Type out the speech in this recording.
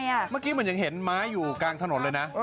เมื่อกี้เหมือนยังเห็นไม้อยู่กลางถนนเลยนะ